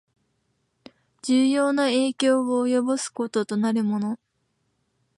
重要な影響を及ぼすこととなるもの